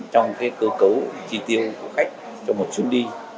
trong cơ cấu chi tiêu của khách cho một chuyến đi